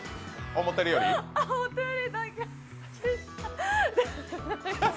思ったより強い。